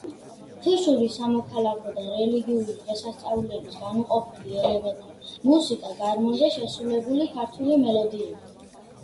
თუშური სამოქალაქო და რელიგიური დღესასწაულების განუყოფელი ელემენტია მუსიკა, გარმონზე შესრულებული ქართული მელოდიები.